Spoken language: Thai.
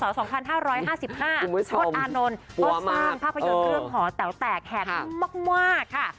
โทษอานนท์ก็สร้างภาพยนตร์เรื่องหอแต๋วแตกแหกุ้งมากค่ะ